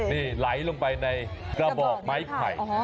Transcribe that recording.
นี่ไหลลงไปในกระบอกไม้ไผ่